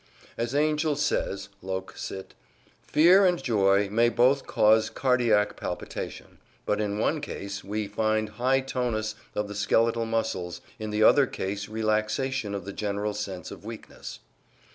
As Angell says (loc. cit.): "Fear and joy may both cause cardiac palpitation, but in one case we find high tonus of the skeletal muscles, in the other case relaxation and the general sense of weakness."